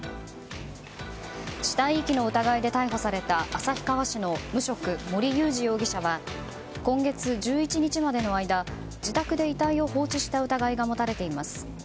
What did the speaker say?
死体遺棄の疑いで逮捕された旭川市の無職、森裕志容疑者は今月１１日までの間自宅で遺体を放置した疑いが持たれています。